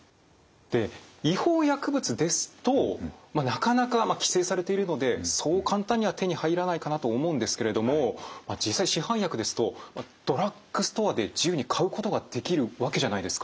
で違法薬物ですとまっなかなか規制されているのでそう簡単には手に入らないかなと思うんですけれども実際市販薬ですとドラッグストアで自由に買うことができるわけじゃないですか。